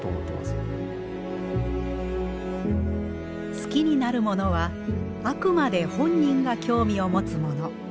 好きになるものはあくまで本人が興味を持つもの。